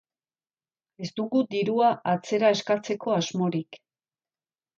Ez dugu dirua atzera eskatzeko asmorik.